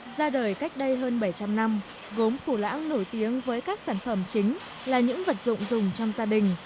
ra đời cách đây hơn bảy trăm linh năm gốm phủ lão nổi tiếng với các sản phẩm chính là những vật dụng dùng trong gia đình